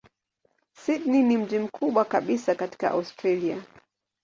Sydney ni mji mkubwa kabisa katika Australia.